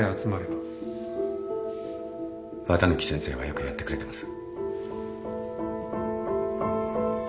綿貫先生はよくやってくれてます。